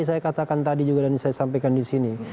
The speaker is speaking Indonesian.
saya katakan tadi juga dan saya sampaikan di sini